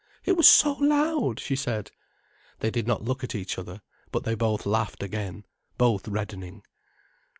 "It was so loud," she said. They did not look at each other, but they both laughed again, both reddening.